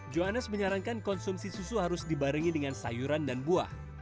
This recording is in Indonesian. johannes menyarankan konsumsi susu harus dibarengi dengan sayuran dan buah